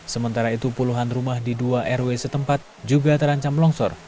sementara itu puluhan rumah di dua rw setempat juga terancam longsor